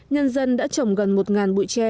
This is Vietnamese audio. nhân dân đã trồng gần một ngàn bụi tre